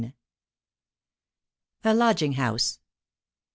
A LODGING HOUSE.